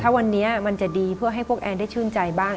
วันนี้มันจะดีเพื่อให้พวกแอนได้ชื่นใจบ้าง